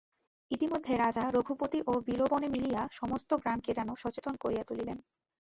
ইতিমধ্যে রাজা রঘুপতি ও বিলবনে মিলিয়া সমস্ত গ্রামকে যেন সচেতন করিয়া তুলিলেন।